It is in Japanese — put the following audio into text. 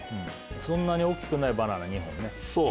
そんなに大きくないバナナ２本ねそう